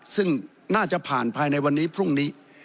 ซึ่งน่าจะผ่านภายในวันนี้พรุ่งนี้